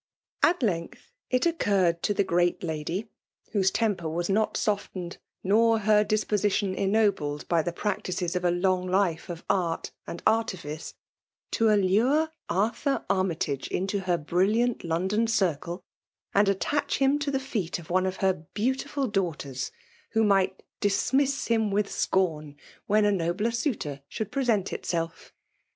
At length it occurred to the great kidy, whose temper was not softened, nor her disposition ennobled by the practices of a long life of art and artifice, to allure Arthur Army tage into her brilliant London circle, and attach him to the feet of one of her beautilhl daughters, who might dismiss him with scorn when a nobler suitor should present himself.